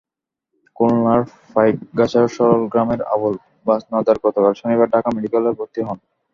খুলনার পাইকগাছার সরল গ্রামের আবুল বাজনদার গতকাল শনিবার ঢাকা মেডিকেলে ভর্তি হন।